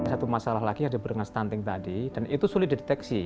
satu masalah lagi yang disebut dengan stunting tadi dan itu sulit dideteksi